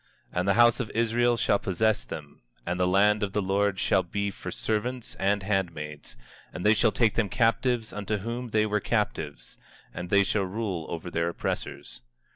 And the house of Israel shall possess them, and the land of the Lord shall be for servants and handmaids; and they shall take them captives unto whom they were captives; and they shall rule over their oppressors.